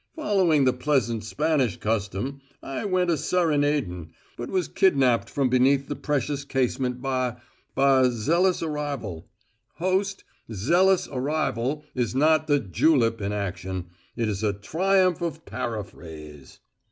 Following the pleasant Spanish custom, I went a serenading, but was kidnapped from beneath the precious casement by by a zealous arrival. Host, `zealous arrival' is not the julep in action: it is a triumph of paraphrase."